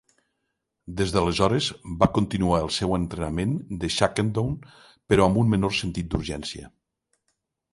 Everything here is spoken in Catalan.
Des d'aleshores, va continuar el seu entrenament de shakedown, però amb un menor sentit d'urgència.